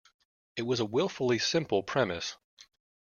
It was a wilfully simple premise.